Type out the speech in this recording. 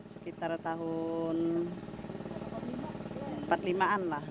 sekitar tahun empat puluh lima an lah